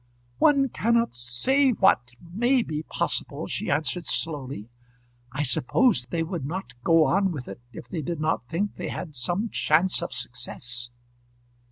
"One cannot say what may be possible," she answered slowly. "I suppose they would not go on with it if they did not think they had some chance of success."